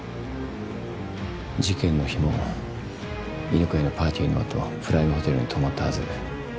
事件の日も犬飼のパーティーのあとプライムホテルに泊まったはず。